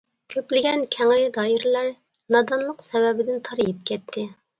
كۆپلىگەن كەڭرى دائىرىلەر نادانلىق سەۋەبىدىن تارىيىپ كەتكەن.